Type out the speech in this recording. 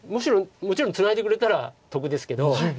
もちろんツナいでくれたら得ですけど。